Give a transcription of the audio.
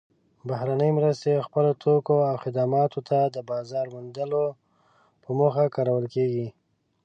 بهرنۍ مرستې خپلو توکو او خدماتو ته د بازار موندلو په موخه کارول کیږي.